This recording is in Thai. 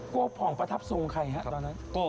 โกพองประทับทรงใครครับตอนนั้นครับครับครับครับ